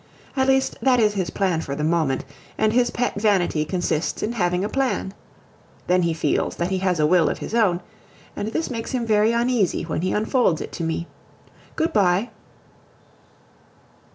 At least that is his plan for the moment, and his pet vanity consists in having a plan. Then he feels that he has a will of his own, and this makes him very uneasy when he unfolds it to me. Good bye!